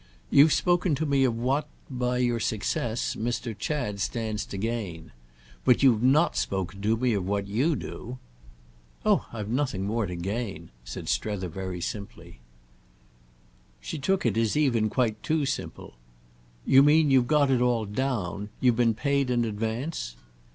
"You've spoken to me of what—by your success—Mr. Chad stands to gain. But you've not spoken to me of what you do." "Oh I've nothing more to gain," said Strether very simply. She took it as even quite too simple. "You mean you've got it all 'down'? You've been paid in advance?"